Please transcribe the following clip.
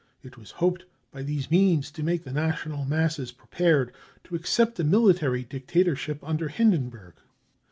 It was hoped by these means to make the national masses prepared to accept a military dictator ship under Hindenburg.